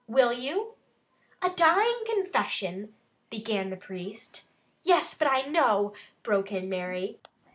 Will you?" "A dying confession " began the priest. "Yes, but I know " broke in Mary.